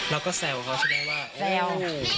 แล้วก็แซวเขาแซว